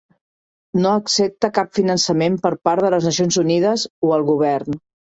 No accepta cap finançament per part de les Nacions Unides o el govern.